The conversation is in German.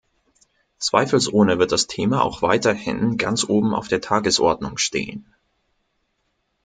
Zweifelsohne wird das Thema auch weiterhin ganz oben auf der Tagesordnung stehen.